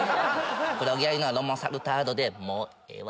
黒毛和牛のロモ・サルタードでもうええわ。